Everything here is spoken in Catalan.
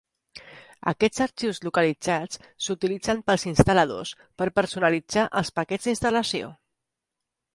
Aquests arxius localitzats s'utilitzen pels instal·ladors per personalitzar els paquets d'instal·lació.